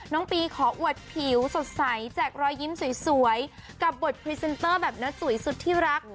น้องปีขออวดผิวสดใสแจกรอยยิ้มสวยกับบทพรีเซนเตอร์แบบเนื้อจุ๋ยสุดที่รัก